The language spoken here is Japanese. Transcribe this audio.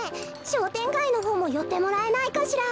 しょうてんがいのほうもよってもらえないかしら。